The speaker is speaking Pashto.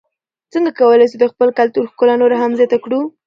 څنګه کولای سو د خپل کلتور ښکلا نوره هم زیاته کړو؟